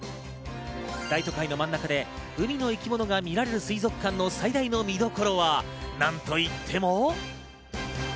大都会の真ん中で海の生き物が見られる水族館の最大の見どころは何と言っても。